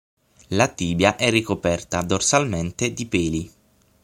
La tibia è ricoperta dorsalmente di peli.